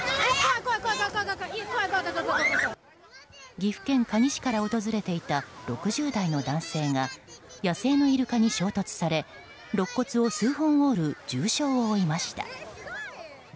岐阜県可児市から訪れていた６０代の男性が野生のイルカに衝突され肋骨を数本折る重傷を負いました。